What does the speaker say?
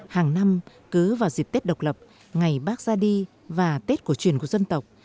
hàng năm cứ vào dịp tết độc lập ngày bác ra đi và tết cổ truyền của dân tộc